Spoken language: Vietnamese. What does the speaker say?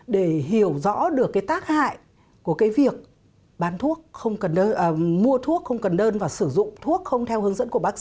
để hiểu rõ được cái tác hại của cái việc bán thuốc không cần đơn mua thuốc không cần đơn và sử dụng thuốc không theo hướng dẫn của bác sĩ